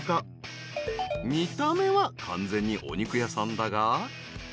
［見た目は完全にお肉屋さんだが］